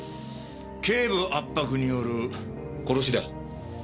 頸部圧迫による殺しだ。